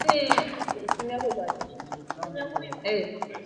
Karibu na Songea iko monasteri kubwa ya Peramiho